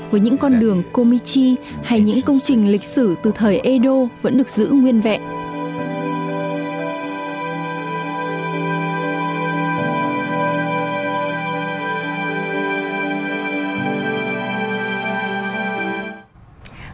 với những con đường komichi hay những công trình lịch sử từ thời edo vẫn được giữ nguyên vẹn